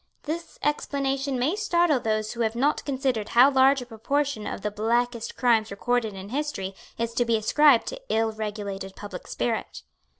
This explanation may startle those who have not considered how large a proportion of the blackest crimes recorded in history is to be ascribed to ill regulated public spirit.